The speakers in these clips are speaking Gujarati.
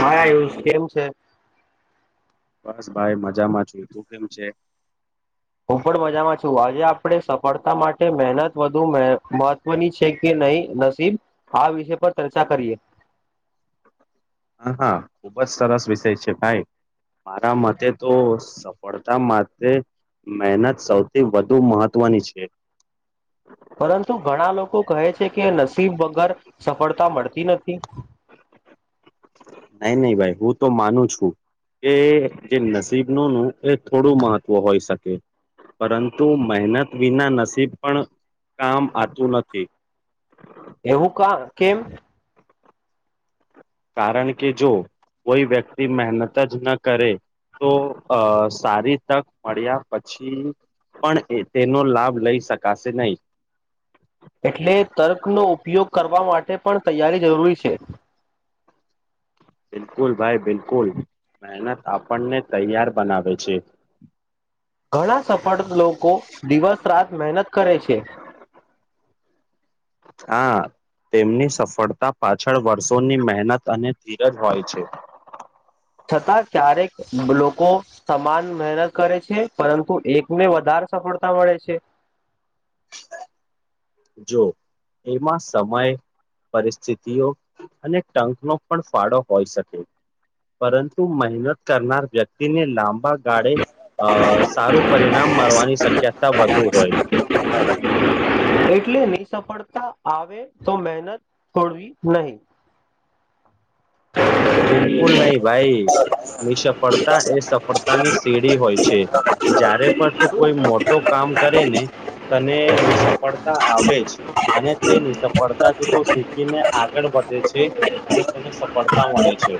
હાય કેમ છે? બસ ભાઈ મજામાં છું. તું કેમ છે? હું પણ મજામાં છું આજે આપણે સફળતા માટે મહેનત વધુ મે મહત્વની છે કે નહી નસીબ આ વિષય પર ચર્ચા કરીએ. હા હા ખુબ જ સરસ વિષય છે ભાઈ. મારા મતે તો સફળતા માટે મહેનત સૌથી વધુ મહત્વની છે. [unintelligible] પરંતુ ઘણા લોકો કહે છે કે નસીબ વગર સફળતા મળતી નથી. [inaudible] નહી નહી ભાઈ હું તો માનુ છું. એ જે નસીબ નુ નુ એ થોડું મહત્વ હોઈ શકે. પરંતુ મહેનત વિના નસીબ પણ કામ આતુ નથી. એવુ કા કેમ? કારણ કે જો કોઈ વ્યક્તિ મહેનત જ ન કરે. તો અ સારી તક મળ્યા પછી પણ એ તેનો લાભ લઈ શકાશે નહી. એટલે તર્કનો ઉપયોગ કરવા માટે પણ તૈયારી જરૂરી છે. બિલકુલ ભાઈ બિલકુલ. મહેનત આપણને તૈયાર બનાવે છે. ઘણા સફળ લોકો દિવસ રાત મહેનત કરે છે હા તેમની સફળતા પાછળ વર્ષોની મહેનત અને ધીરજ હોય છે. છતાં ક્યારેક લોકો સમાન મહેનત કરે છે પરંતુ એકને વધાર સફળતા મળે છે. જો એમા સમય પરિસ્થિતિઓ અને ટંકનો પણ ફાળો હોઇ શકે. પરંતુ મહેનત કરનાર વ્યક્તિને લાંબા ગાળે અ સારું પરિણામ મારવાની શક્યતા વધુ હોય. એટલે નીસફળતા આવે તો મહેનત છોડવી નહી. બિલકુલ નહી ભાઈ નિસફળતા એ સફળતાની સીડી હોય છે. જ્યારે પણ તુ કોઈ મોટો કામ કરે ને તને નિસફળતા આવે જ. અને તે નીસફળતાથી તો શીખીને આગળ વધે છે અને તેને સફળ તા મળે છે.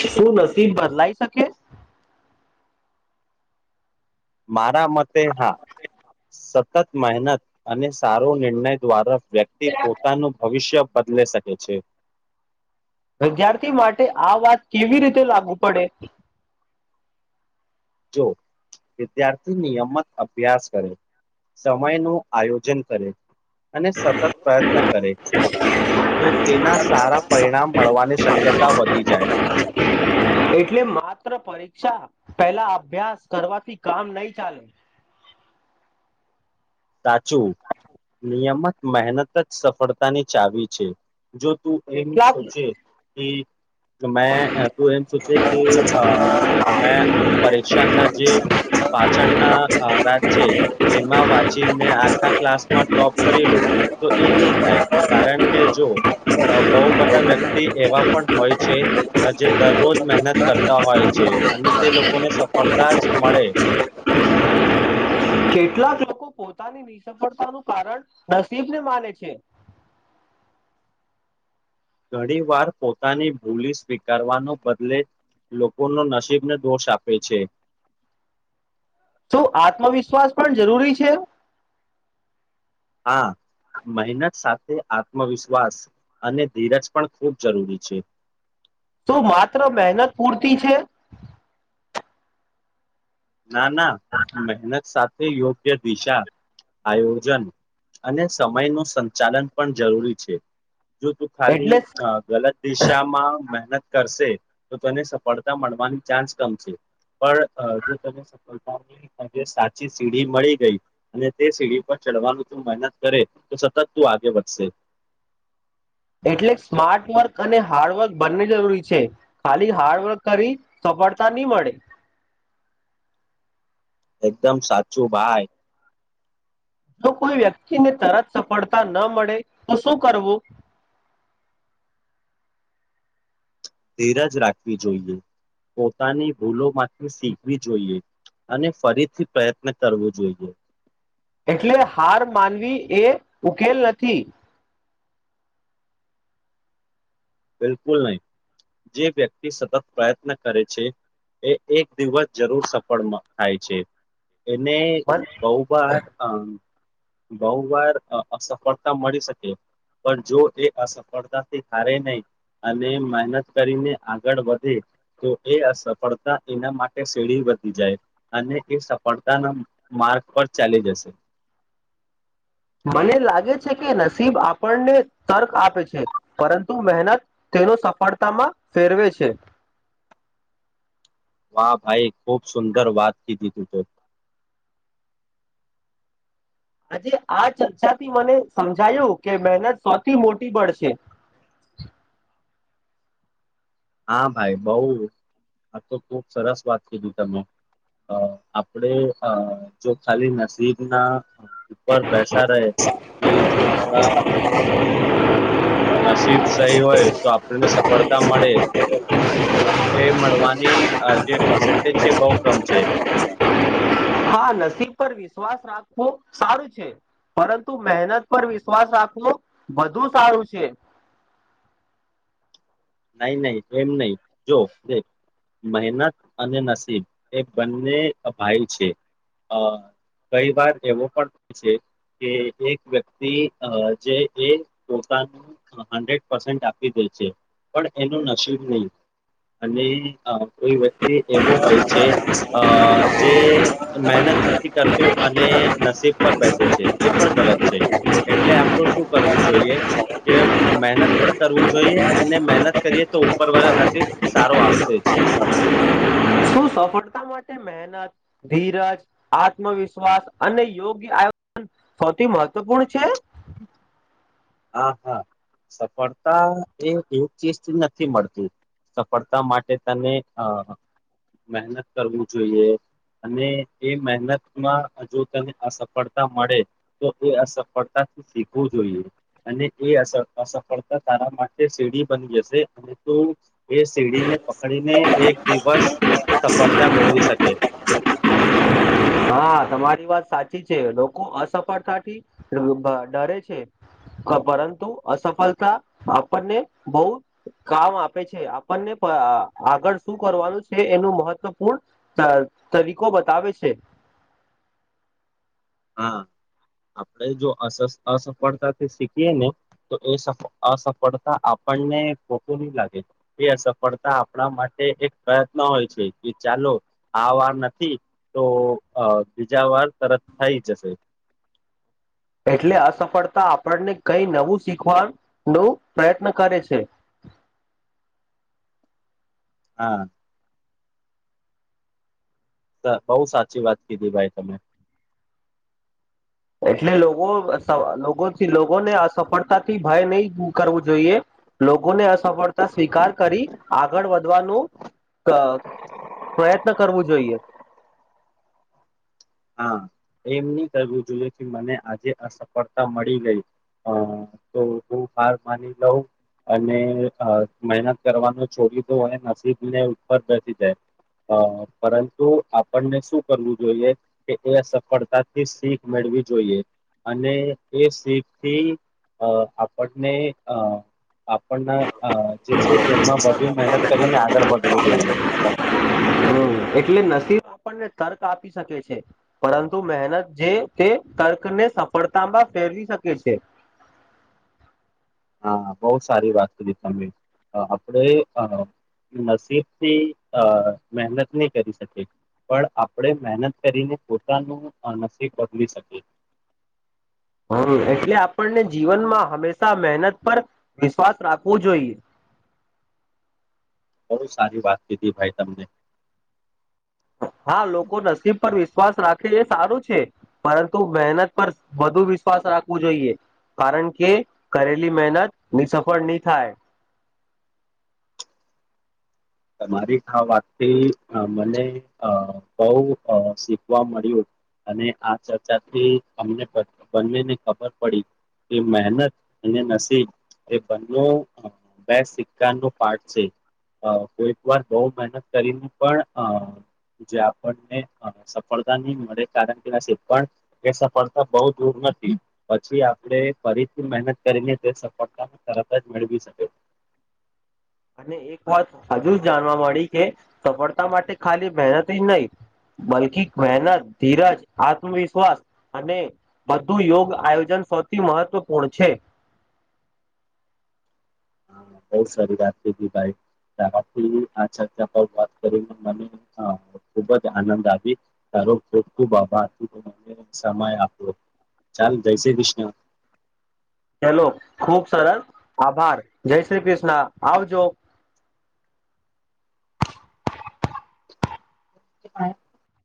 શું નસીબ બદલાઇ શકે? મારા મતે હા સતત મહેનત અને સારો નિર્ણય દ્વાર વ્યક્તિ પોતાનુ ભવિષ્ય બદલે શકે છે વિદ્યાર્થી માટે આ વાત કેવી રીતે લાગુ પડે જો વિદ્યાર્થી નિયમત અભ્યાસ કરે સમય નું આયોજન કરે અને સતત પ્રયત્ન કરે તો તેના સારા પરિણામ મળવાની શક્યતા વધી જાય એટલે માત્ર પરીક્ષા પેલા અભ્યાસ કરવાથી કામ નહી ચાલે સાચું નિયમત મહેનત જ સફળતાની ચાવી છે જો તું એમ કેટલાક સોચે કે મેં તું એમ સોચે કે અ મેં પરીક્ષા નજીક પાછળના રાજ છે એમા વા ને આખા ક્લાસમા ટોપ કરીલુ તો એ નહી થાય કારણ કે જો બહુ બધા વ્યક્તિ એવા પણ હોય છે આ જે દરરોજ મહેનત કરતા હોય છે અને તે લોકોને સફળતા જ મળે કેટલાક લોકો પોતાની નિસફળતાનુ કારણ નસીબને માને છે ઘણી વાર પોતાની ભૂલી સ્વીકારવાનો બદલે લોકોનો નસીબને દોષ આપે છે શું આત્મવિશ્વાસ પણ જરૂરી છે હા મહેનત સાથે આત્મવિશ્વાસ અને ધીરજ પણ ખૂબ જરૂરી છે શું માત્ર મહેનત પૂરતી છે ના ના મહેનત સાથે યોગ્ય દિશા આયોજન અને સમયનું સંચાલન પણ જરૂરી છે જો તું ખાલી એટલે ગલત દિશામાં મહેનત કરશે તો તેને સફળતા મળવાની ચાન્સ કમ છે પણ સફતા સાચી સીડી મળી ગઈ અને તે સીડી પર ચડવાનું મહ કરે તો સતત તું આગે વધશે [inaudible] એટલે સ્માર્ટ વર્ક અને હાર્ડવર્ક બંને જરૂરી છે ખાલી હાર્ડવર્ક કરી તો ફળતા ની મળે એકદમ સાચું ભાઈ જો કોઈ વ્યક્તિને તરત સફળતા ન મળે તો શું કરવું [inaudible] ધીરજ રાખવી જોઈએ પોતાની ભૂલોમાંથી શીખવી જોઈએ અને ફરીથી પ્રયત્ન કરવો જોઈએ એટલે હાર માનવી એ ઉકેલ નથી બિલકુલ નહી જે વ્યક્તિ સતત પ્રયત્ન કરે છે એ એક દિવસ જરૂર સફળ થાય છે એને મન બહુ વાર અ બહુ વાર અસફળતા મળી શકે પણ જો એ અસફળતાથી હારે નહી અને મહેનત કરીને આગળ વધે તો એ અસફળતા એના માટે વધી જાય અને એ સફળતાના માર્ગ પર ચાલી જશે [inaudible] મને લાગે છે કે નસીબ આપણને તર્ક આપે છે પરંતુ મહેનત તેનો સફળતામાં ફેરવે છે હા ભાઈ ખૂબ સુંદર વાત કીધી તું તો. આજે આ ચર્ચાથી મને સમજાયું કે મહેનત સૌથી મોટી બળ છે. [inaudible] હા ભાઈ બઉ આ તો ખુબ સરસ વાત કીધી તમે અ આપડે અ જો ખાલી નસીબ ના ઉપર પૈસા રહે એ જો આપડા નસીબ સહી હોય તો આપણને સફળતા મળે તો એ મળવાની અ જે પર્સન્ટેજ છે બહું કમ છે. હા, નસીબ પર વિશ્વાસ રાખવો સારું છે. પરંતુ મહેનત પર વિશ્વાસ રાખવો વધુ સારું છે. [inaudible] નહી નહી એમ નહી જો કે મહેનત અને નસીબ એ બંને અ ભાઈ છે અ કઈ વાર એવો પણ છે કે એક વ્યક્તિ અ જે એ પોતાનું હંડ્રેડ પસેન્ટ આપી દે છે, પણ એનું નસીબ નહી અને અ કોઈ વ્યક્તિ એવો હોય છે અ જે મહેનત નથી કરતો અને નસીબ પર બેસે છે એ પણ ગલત છે એટલે આપણું શું કરવું જોઈએ? કે મહેનત પણ કરવું જોઈએ એ ને મહેનત કરીએ તો ઉપરવાળા નસીબ સારો આપશે જ. શું સફળતા માટે મહેનત ધીરજ આત્મવિશ્વાસ અને યોગ્ય આયો સૌથી મહત્વપૂર્ણ છે? હા હા, સફળતા એ એક ચીજથી નથી મળતી. સફળતા માટે તને અ મહેનત કરવું જોઈએ. અને એ મહેનતમાં જો તને અસફળતા મળે તો એ અસફળતા શીખવું જોઈએ. અને એ અસ અસફળતા તારા માટે સીડી બની જશે એ તો એ સીડીને પકડીને એક દિવસ સફળ તા મેળવી શકે. હા તમારી વાત સાચી છે લોકો અસફળતા થી [unintelligible] ડરે છે. પરંતુ અસફળતા આપણને બહું કામ આપે છે આપણને અ આગળ શું કરવાનું છે એનું મહત્વપૂર્ણ ત તરીકો બતાવે છે. હા આપણે જો અસસ અસફળતાથી શીખીએ ને તો એ સ અસફળતા આપ પણને [unintelligible] લાગે એ સફળતા આપણા માટે એક પ્રયત્ન હોય છે કે ચાલો આ વાર નથી તો અ બીજા વાર તરત થઈ જશે. એટલે અસફળતા આપણને કઈ નવું શીખવાનો પ્રયત્ન કરે છે. [inaudible] હા. દ, બહુ સાચી વાત કીધી ભાઈ તમે. એટલે લોકો લોકોથી લોકોને અસફળતાથી ભય નહી કરવું જોઈએ લોકોને અસફળતા સ્વીકાર કરી આગળ વધવાનું ક પ્રયત્ન કરવું જોઈએ. હા, એમની કરવું જોઈએ કે મને આજે અસફળતા મળી ગઈ. હા, તો હું હાર માની લઉં? અને મહેનત કરવાનો છોડી દવ અને નસીબ ને ઉપર કરી દે અહ પરંતુ આપણને શું કરવું જોઈએ કે એ સફળતાથી શીખ મેળવી જોઈએ અને એ શીખથી અહ આપણને અહ આપણને અહ જે છે એમાં વધુ મહેનત કરીને આગળ વધવું જોઈએ હમ્મ, એટલે નસીબ આપણે તર્ક આપી શકે છે, પરંતુ મહેનત જે તે તર્કને સફળતામાં ફેર ફેરવી શકે છે. હા, બો સારી વાત કીધી તમે, આપડો એ નસીબથી અહ મહેનતની કરી શકે પણ આપડે મહેનત કરીને પોતાનું નસીબ બદલી શકીએ. હમ્મ, એટલે આપણને જીવનમાં હંમેશા મહેનત પર વિશ્વાસ રાખવો જોઈએ. બહુ સારી વાત કીધી ભાઈ તમને હા, લોકો નસીબ પર વિસ વિશ્વાસ રાખે એ સારું છે, પરંતુ મહેનત પર વધુ વિશ્વાસ રાખવું જોઈએ. કારણકે કરેલી મહેનત નિસફળ ની થાય. તમારી આ વાતથી અહ મને અહ બૌ અહ શીખવા મળ્યું. અને આ ચર્ચાથી અમને બન બન્નેને ખબર પડી. એ મહેનત અને નસીબ એ બન્નો બે સિક્કા નો પાઠ છે. અહ તો એક વાર બહુ મહેનત કરીને પણ અહ જે આપણને સફળતા ની મળે કારણ કે [unintelligible] પણ એ સફળતા બહુ દૂર નથી. પછી આપણે ફરીથી મહેનત કરીને તે સફળતાને તરત જ મેળવી શકે. [inaudible] અને એક વાત હજુ જાણવા મળી કે સફળતા માટે ખાલી મહેનતી જ નહીં બલ્કી મહેનત, ધીરજ, આત્મવિશ્વાસ અને બધું યોગ આયોજન સૌથી મહત્વપૂર્ણ છે. હા બહુ સારી વાત કઈરી ભાઈ. તેમાંથી આ ચર્ચા પર વાત કરીને મને અહ ખુબ જ આનંદ આવી. અહ [unintelligible] ખૂબ-ખૂબ આભાર. [inaudible] સમય આપ્યો. ચાલ જય શ્રી ક્રિષ્ન. ચલો. ખુબ સરસ. આભાર. જય શ્રી કૃષ્ણ. આવજો. [inaudible] [inaudible]